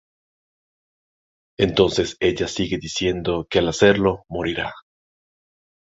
Entonces ella sigue diciendo que al hacerlo morirá.